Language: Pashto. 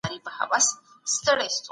که زده کوونکی دوام ورکړي، پرمختګ نه درېږي.